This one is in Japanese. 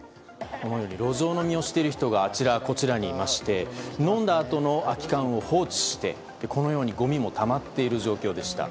このように路上飲みをしている人が、あちらこちらにいまして、飲んだあとの空き缶を放置して、このようにごみもたまっている状況でした。